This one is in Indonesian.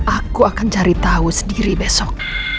aku akan cari tahu sendiri besok